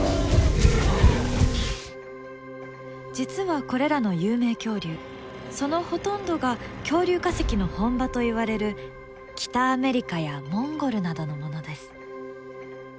実はこれらの有名恐竜そのほとんどが恐竜化石の本場といわれる北アメリカやモンゴルなどのものです。